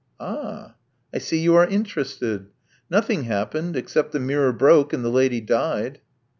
"Ah, I see you are interested. Nothing happened, except that the mirror broke and the lady died."